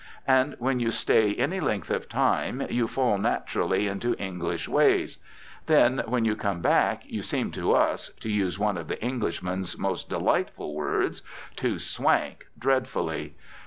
And when you stay any length of time you fall naturally into English ways. Then when you come back you seem to us, to use one of the Englishman's most delightful words, to "swank" dreadfully.